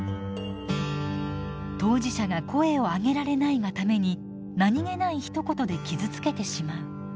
当事者が声を上げられないがために何気ないひと言で傷つけてしまう。